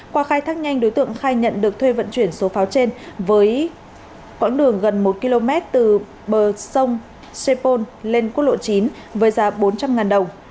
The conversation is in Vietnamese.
qua khai thác nhanh đối tượng khai nhận được thuê vận chuyển số pháo trên với quãng đường gần một km từ bờ sông sepol lên quốc lộ chín với giá bốn trăm linh đồng